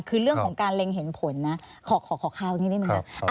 คือเรื่องของการเล็งเห็นผลนะขอข้าวนี้นิดนึง